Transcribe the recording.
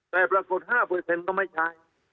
แต่ปรากฏ๕ก็ไม่ใช้